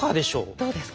どうですか？